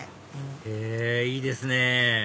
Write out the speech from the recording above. へぇいいですね